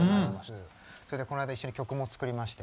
それでこの間一緒に曲も作りまして。